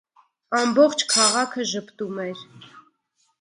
Ամբողջ քաղաքը ժպտում էր: